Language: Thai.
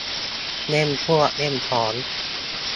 เล่นพวกเล่นพ้อง